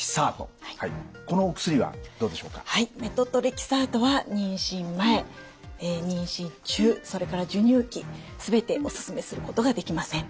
メトトレキサートは妊娠前妊娠中それから授乳期全ておすすめすることができません。